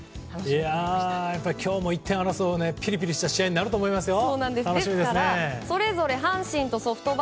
やっぱり今日も１点を争うピリピリした試合になると思いますよ。